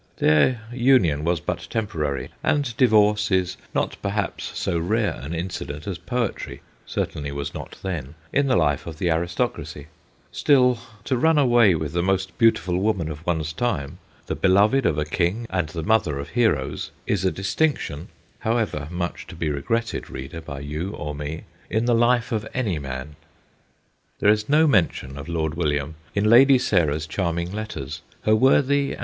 Their union was but temporary, and divorce is not perhaps so rare an incident as poetry certainly was not then in the life of the aristocracy ; still, to run away with the most beautiful woman of one's time, the beloved of a king and the mother of heroes, is a distinction however much to be re 244 THE GHOSTS OF PICCADILLY gretted, reader, by you or me in the life of any man. There is no mention of Lord William in Lady Sarah's charming letters. Her worthy and.